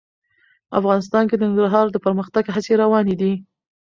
افغانستان کې د ننګرهار د پرمختګ هڅې روانې دي.